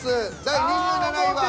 第２７位は。